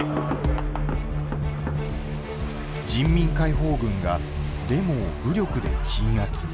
人民解放軍がデモを武力で鎮圧。